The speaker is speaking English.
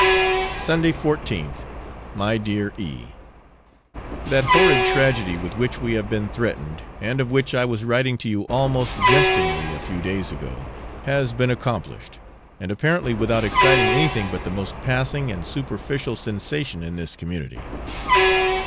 Sunday, 14th. My dear E . That horrid tragedy with which we have been threatened, and of which I was writing to you almost jestingly a few days ago, has been accomplished, and apparently without exciting anything but the most passing and superficial sensation in this community.